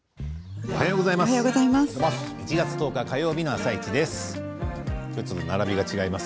おはようございます。